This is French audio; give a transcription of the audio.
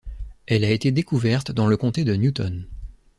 Elle a été découverte dans le comté de Newton.